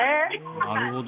なるほど。